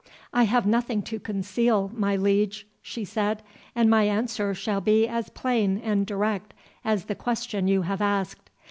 "I have nothing to conceal, my liege," she said, "and my answer shall be as plain and direct as the question you have asked.